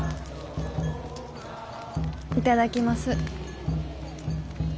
頂きます。